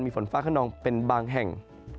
มีฝนฟ้าขนองเป็นบางแห่ง